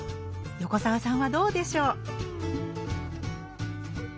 横澤さんはどうでしょう？